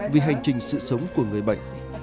vì hành trình sự sống của người bệnh